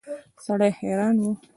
سړی حیران و.